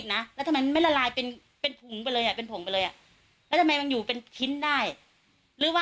ก็เราร้องน้องรัฐได้จนทีแรกแล้ว